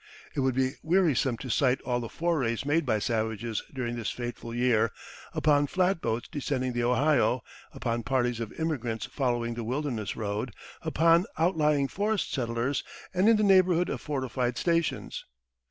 It would be wearisome to cite all the forays made by savages during this fateful year, upon flatboats descending the Ohio, upon parties of immigrants following the Wilderness Road, upon outlying forest settlers, and in the neighborhood of fortified stations.